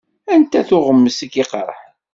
Anta tuɣmest i k-iqeṛḥen?